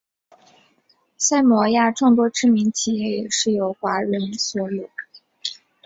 萨摩亚众多知名企业也是由华人所有。